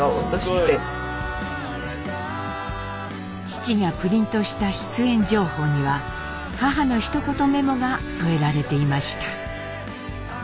父がプリントした出演情報には母のひと言メモが添えられていました。